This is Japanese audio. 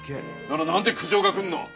なら何で苦情が来んの？